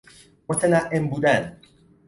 متنعم بودن